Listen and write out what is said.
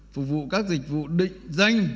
phục vụ các dịch vụ định danh